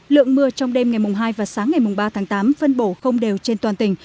lượng mưa trong đêm ngày hai và sáng ngày ba tháng tám phân bổ không đều trên toàn tỉnh